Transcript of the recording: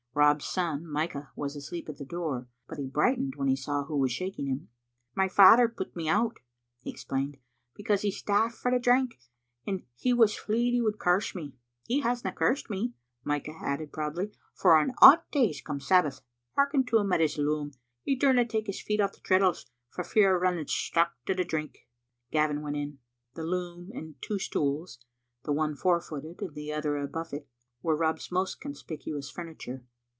Rob's son, Micah, was asleep at the door, but he brightened when he saw who was shaking him. "My father put me out," he explained, "because he's daft for the drink, and was fleid he would curse me. He hasna cursed me," Micah added, proudly, "for an aught days come Sabbath. Hearken to him at his loom. He dauma take his feet off the treadles for fear o' running straucht to the drink." Gavin went in. The loom, and two stools, the one four footed and the other a buffet, were Rob's most conspicuous furniture.